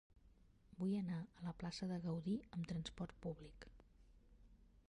Vull anar a la plaça de Gaudí amb trasport públic.